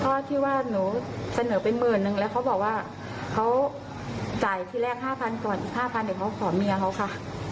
เพราะที่ว่าหนูเสนอเป็นหมื่นนึงแล้วเขาบอกว่าเขาจ่ายที่แรก๕๐๐ก่อนอีก๕๐๐เดี๋ยวเขาขอเมียเขาค่ะ